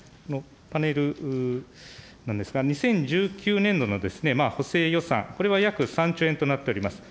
パネルなんですが、２０１９年度の補正予算、これは約３兆円となっております。